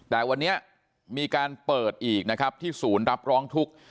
แต่วันนี้มีการเปิดอีกนะครับที่ศูนย์รับร้องทุกข์